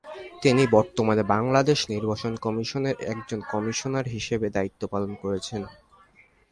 তিনি বর্তমানে বাংলাদেশ নির্বাচন কমিশনের একজন কমিশনার হিসেবে দায়িত্ব পালন করছেন।